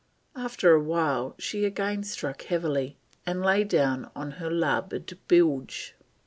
After a while she again struck heavily, and "lay down on her larboard bilge."